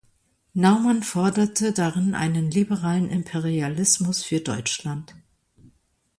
Naumann forderte darin einen „liberalen Imperialismus“ für Deutschland.